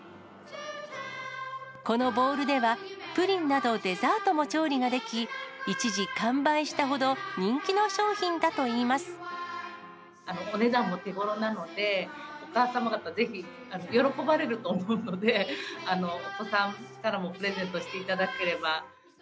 このボウルでは、プリンなどデザートも調理ができ、一時、完売したほど、人気の商品お値段も手ごろなので、お母様方、ぜひ喜ばれると思うので、お子さんからもプレゼントしていただければ。